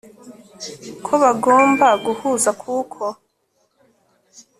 ko bagomba guhuza kuko